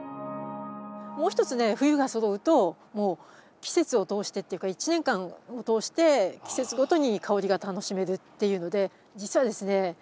もう一つね冬がそろうともう季節を通してっていうか一年間を通して季節ごとに香りが楽しめるっていうのでじつはですね